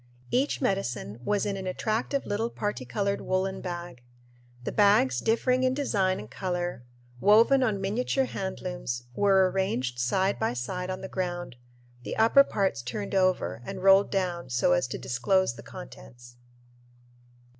Each medicine was in an attractive little particolored woolen bag. The bags, differing in design and color, woven on miniature hand looms, were arranged side by side on the ground, the upper parts turned over and rolled down so as to disclose the contents.